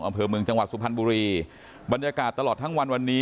อำเภอเมืองจังหวัดสุพรรณบุรีบรรยากาศตลอดทั้งวันวันนี้